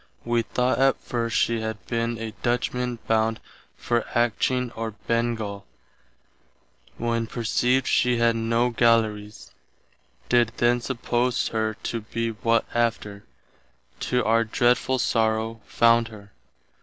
Wee thought at first she had been a Dutchman bound for Atcheen or Bengall, when perceived she had no Gallerys, did then suppose her to be what after, to our dreadful sorrow, found her.